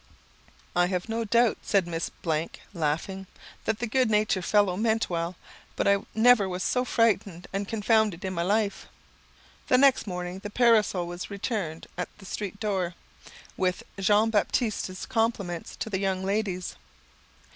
"I have no doubt," said Miss , laughing, "that the good natured fellow meant well, but I never was so frightened and confounded in my life." The next morning the parasol was returned at the street door, with "Jean Baptiste's compliments to the young ladies."